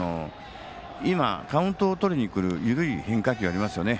カウントをとりにくる緩い変化球がありますよね